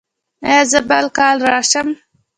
ایا زه بل کال راشم؟